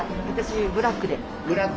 私ブラックで。